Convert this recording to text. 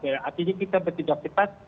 artinya kita tidak cepat